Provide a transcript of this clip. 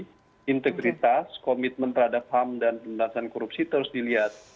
jadi integritas komitmen terhadap ham dan pembahasan korupsi terus dilihat